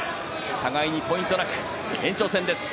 互いにポイントなく延長戦です。